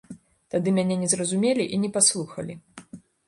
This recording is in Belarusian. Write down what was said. Тады мяне не зразумелі і не паслухалі.